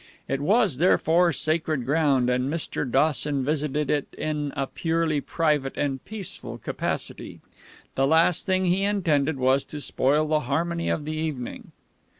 It was, therefore, sacred ground, and Mr. Dawson visited it in a purely private and peaceful capacity. The last thing he intended was to spoil the harmony of the evening.